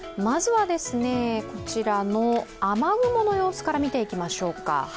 まずはこちらの雨雲の様子から見ていきましょうか。